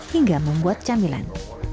hingga membuat camilan